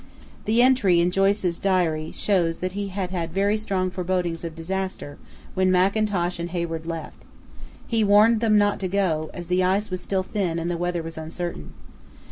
The entry in Joyce's diary shows that he had very strong forebodings of disaster when Mackintosh and Hayward left. He warned them not to go, as the ice was still thin and the weather was uncertain.